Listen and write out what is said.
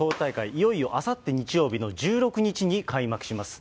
いよいよあさって日曜日の１６日に開幕します。